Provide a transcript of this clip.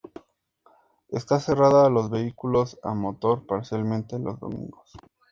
Está cerrada a los vehículos a motor parcialmente los domingos.